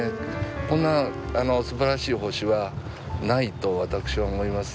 こんなすばらしい星はないと私は思います。